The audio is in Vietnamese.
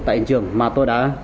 tại hiện trường mà tôi đã